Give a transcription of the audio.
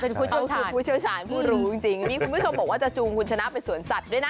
พูดชาญพูดรู้จริงมีคุณผู้ชมบอกว่าจะจูงคุณชนะไปสวนสัตว์ด้วยนะ